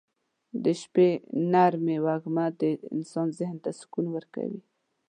د شپې نرۍ وږمه د انسان ذهن ته سکون ورکوي.